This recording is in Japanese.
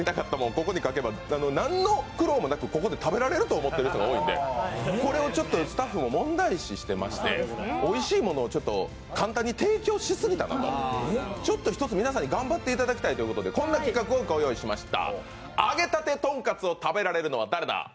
ここに書けばなんの苦労もなくここで食べられると思っている人が多いので、これをスタッフも問題視してましておいしいものを簡単に提供しすぎたなと、ちょっと皆さんに頑張っていただきたいということでこんな企画をご用意しました。